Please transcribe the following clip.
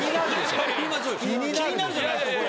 気になるじゃないですかこれ！